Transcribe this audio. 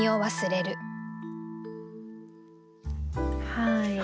はい。